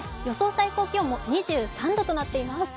最高気温も２３度となっています。